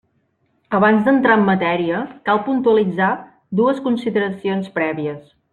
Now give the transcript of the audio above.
Abans d'entrar en matèria, cal puntualitzar dues consideracions prèvies.